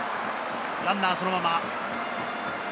ランナーそのまま。